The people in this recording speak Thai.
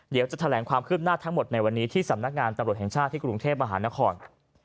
เดี๋ยวจะแถลงความคืบหน้าทั้งหมดในวันนี้ที่สำนักงานตำรวจแห่งชาติที่กรุงเทพมหานคร